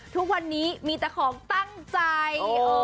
ทุกวันนี้มีแต่ของตั้งใจ